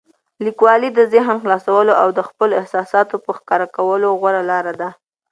لیکوالی د ذهن خلاصولو او د خپلو احساساتو په ښکاره کولو غوره لاره ده.